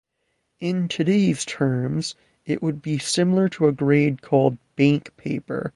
In today's terms it would be similar to a grade called "bank paper".